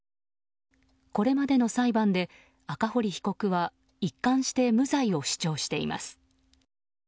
これまでの裁判で、赤堀被告は一貫して無罪を主張しています。